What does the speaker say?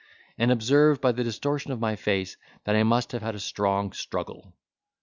and observed, by the distortion of my face, that I must have had a strong struggle.